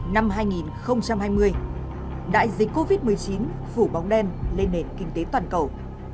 năm hai nghìn hai mươi đại dịch covid một mươi chín phủ bóng đen lên nền kinh tế toàn cầu